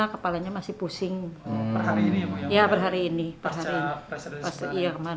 kepalanya masih pusing per hari ini ya iya per hari ini karena nangis terus sih kemarin